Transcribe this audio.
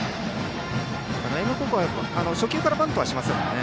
英明高校は初球からバントはしませんもんね。